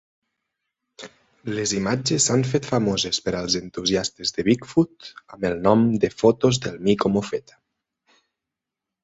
Les imatges s'han fet famoses per als entusiastes de Bigfoot amb el nom de "fotos del mico mofeta".